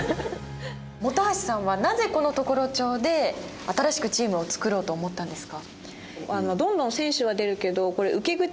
本橋さんはなぜこの常呂町で新しくチームを作ろうと思ったんですか？